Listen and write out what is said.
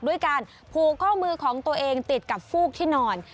ด้วยการผูกข้อมือของตัวเองติดกับฟูกที่นอน